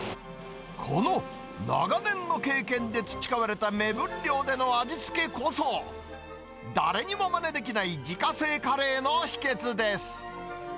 この長年の経験で培われた目分量での味付けこそ、誰にもまねできない自家製カレーの秘けつです。